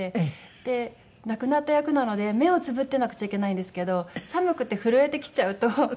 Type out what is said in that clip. で亡くなった役なので目をつぶっていなくちゃいけないんですけど寒くて震えてきちゃうと目も。